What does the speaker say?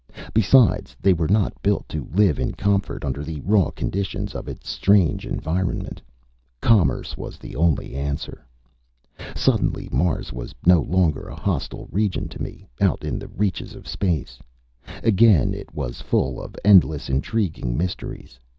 Besides, they were not built to live in comfort under the raw conditions of its strange environment. Commerce was the only answer. Suddenly Mars was no longer a hostile region to me, out in the reaches of space. Again it was full of endless, intriguing mysteries.